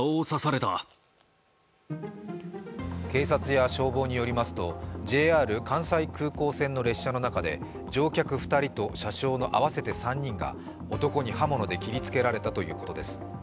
警察や消防によりますとＪＲ関西空港線の列車の中で、乗客２人と車掌の合わせて３人が男に刃物で切りつけられたということです。